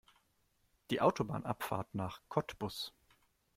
Die Autobahnabfahrt nach Cottbus